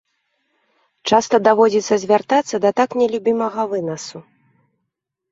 Часта даводзіцца звяртацца да так нелюбімага вынасу.